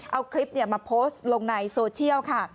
เอาคลิปมาโพสต์ลงในโซเชียลค่ะ